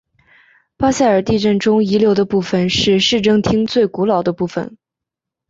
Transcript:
巴塞尔地震中遗留的部分是市政厅最古老的部分。